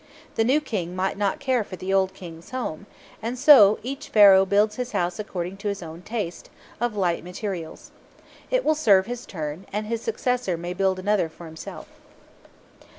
The new King might not care for the old King's home, and so each Pharaoh builds his house according to his own taste, of light materials. It will serve his turn, and his successor may build another for himself.